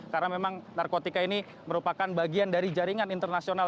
karena memang narkotika ini merupakan bagian dari jaringan internasional